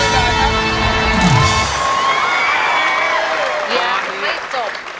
ยังไม่จบ